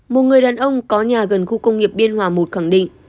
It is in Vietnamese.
một người đàn ông có nhà gần khu công nghiệp biên hòa i khẳng định